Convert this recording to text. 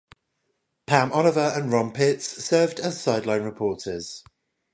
Pam Oliver and Ron Pitts served as sideline reporters.